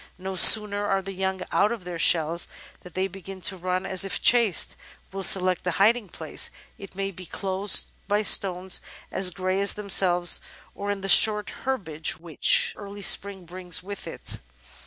No sooner are the young out of their shells than they begin to run, and if chased, will select a hiding place. It may be close by stones as grey as themselves, or in the short Natural History 423 herbage which early Spring brings with it.